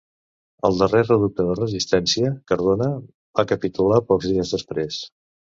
El darrer reducte de resistència, Cardona, va capitular pocs dies després.